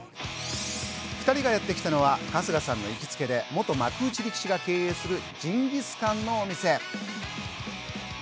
２人がやってきたのは春日さんの行きつけで、元幕内力士が経営するジンギスカンのお店。